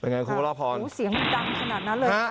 เป็นไงครูราพรอู๋เสียงดังขนาดนั้นเลยนะ